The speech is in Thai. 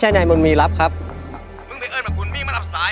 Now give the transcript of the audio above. ใช่ครับอันนี้โทรศัพท์ในมุนมี